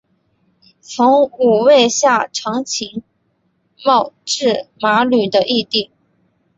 从五位下长岑茂智麻吕的义弟。